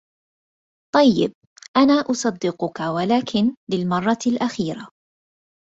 طيب انا أصدقك ولكن للمرة الأخيرة.